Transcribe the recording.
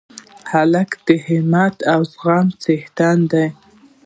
هلک د همت او زغم څښتن دی.